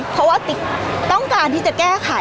เพราะว่าติ๊กต้องการที่จะแก้ไข